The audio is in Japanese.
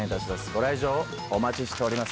ご来場お待ちしております。